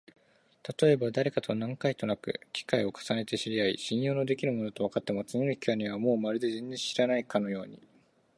たとえばだれかと何回となく機会を重ねて知り合い、信用のできる者だとわかっても、次の機会にはもうまるで全然知らないかのように、